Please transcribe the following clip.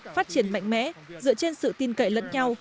phát triển mạnh mẽ dựa trên sự tin cậy lẫn nhau